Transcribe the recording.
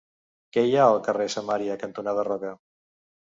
Què hi ha al carrer Samaria cantonada Roca?